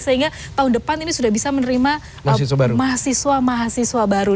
sehingga tahun depan ini sudah bisa menerima mahasiswa mahasiswa baru